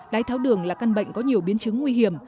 đái tháo đường là căn bệnh có nhiều biến chứng nguy hiểm